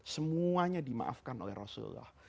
semuanya dimaafkan oleh rasulullah